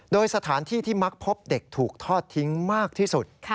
โดยสถานที่ที่มักพบเด็กถูกทอดทิ้งมากที่สุด